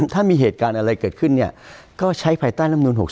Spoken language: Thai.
ถ้ามีเหตุการณ์อะไรเกิดขึ้นเนี่ยก็ใช้ภายใต้รำนูน๖๖